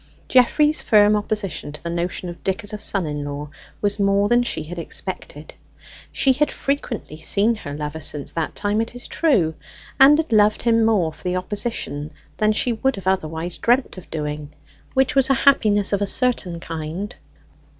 Geoffrey's firm opposition to the notion of Dick as a son in law was more than she had expected. She had frequently seen her lover since that time, it is true, and had loved him more for the opposition than she would have otherwise dreamt of doing which was a happiness of a certain kind.